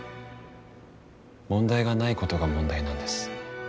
問題がないことが問題なんです。